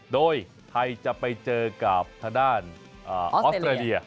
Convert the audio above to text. โดยไทยจะไปเจอกับทางด้านออสเตรเลีย